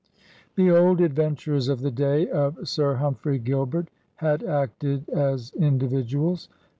The old adventurers of the day of Sir Hum phrey Gilbert had acted as individuals.